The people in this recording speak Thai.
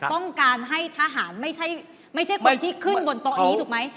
ต้องการให้ทหารไม่ใช่คนที่ขึ้นบนโต๊ะนี้ถูกไหม